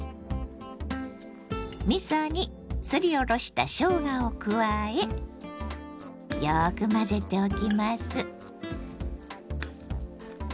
みそにすりおろしたしょうがを加えよく混ぜておきます。